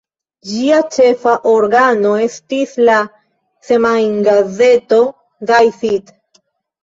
Ĝia ĉefa organo estis la semajngazeto "Die Zeit".